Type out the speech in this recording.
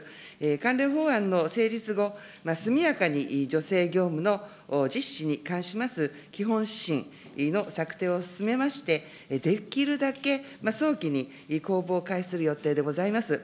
関連法案の成立後、速やかに助成業務の実施に関します基本指針の策定を進めまして、できるだけ早期に公募を開始する予定でございます。